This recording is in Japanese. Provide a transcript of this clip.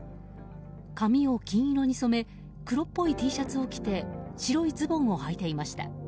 髪を金色に染め黒っぽいＴシャツを着て白いズボンをはいていました。